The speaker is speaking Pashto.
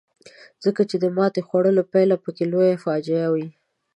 ځکه چې د ماتې خوړلو پایله پکې لویه فاجعه وي.